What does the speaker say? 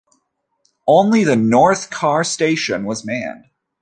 Only the "North Carr" station was manned.